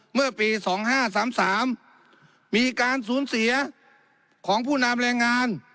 เมื่อปีสองห้าสามสามมีการสูญเสียของผู้นำแรงงาน